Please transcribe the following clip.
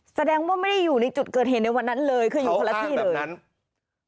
แสดงว่าไม่ได้อยู่ในจุดเกิดเหตุในวันนั้นเลยเคยอยู่คละละที่เลยเขาอ้างแบบนั้น